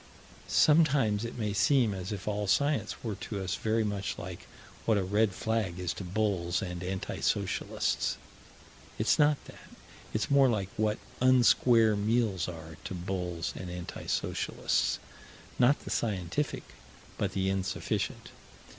Sometimes it may seem as if all science were to us very much like what a red flag is to bulls and anti socialists. It's not that: it's more like what unsquare meals are to bulls and anti socialists not the scientific, but the insufficient.